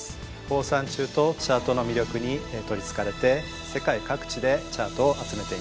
放散虫とチャートの魅力に取りつかれて世界各地でチャートを集めています。